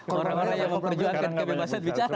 orang orang yang memperjuangkan kebebasan bicara